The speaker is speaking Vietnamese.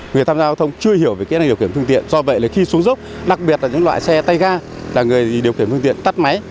người tham gia giao thông chưa hiểu về cái này điều khiển phương tiện do vậy là khi xuống dốc đặc biệt là những loại xe tay ga là người điều khiển phương tiện tắt máy